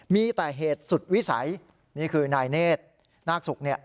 มีแต่เหตุสุดวิสัยนี่คือนายเนธน่าสุข